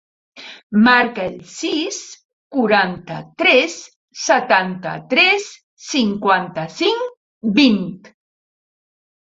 Marca el sis, quaranta-tres, setanta-tres, cinquanta-cinc, vint.